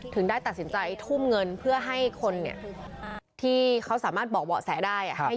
ถึงได้ตัดสินใจทุ่มเงินเพื่อให้คนที่เขาสามารถบอกเบาะแสได้ให้เยอะขนาดนี้